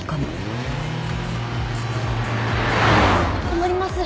困ります。